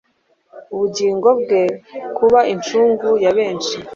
ubugingo bwe kuba incungu ya benshi